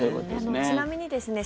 ちなみにですね